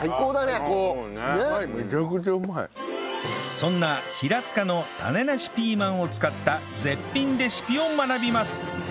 そんな平塚の種なしピーマンを使った絶品レシピを学びます